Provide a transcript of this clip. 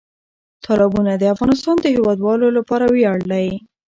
تالابونه د افغانستان د هیوادوالو لپاره ویاړ دی.